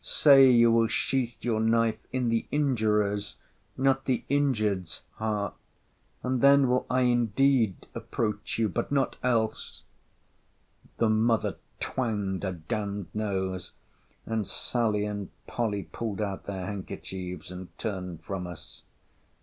—Say you will sheath your knife in the injurer's, not the injured's heart, and then will I indeed approach you, but not else. The mother twanged her d—n'd nose; and Sally and Polly pulled out their handkerchiefs, and turned from us.